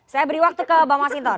saya beri waktu ke bang mas huston